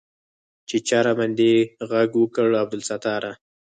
چې چا راباندې ږغ وکړ عبدالستاره.